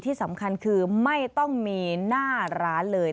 ที่สำคัญคือไม่ต้องมีหน้าร้านเลย